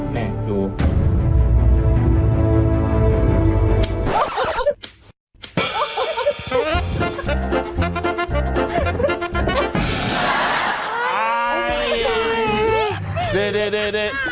นี่ดูนะนี่ดู